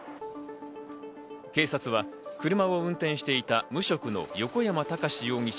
警察は車を運転していた無職の横山孝容疑者